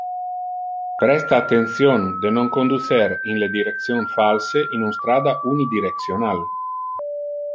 Presta attention de non conducer in le direction false in un strata unidirectional.